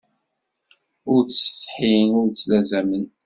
Ur ttsethin ur ttlazamen.